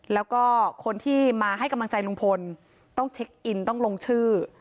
แล้วก็คนที่มาให้กำลังใจลุงพลต้องเช็คอินต้องลงชื่อ